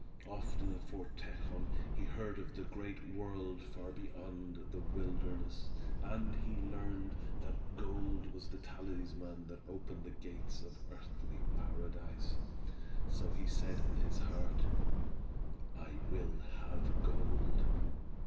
Often at Fort Tejon he heard of the great world far beyond the wilderness, and he learned that gold was the talisman that opened the gates of earthly paradise. So he said in his heart, "I will have gold!"